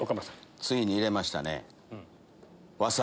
ついに入れましたね。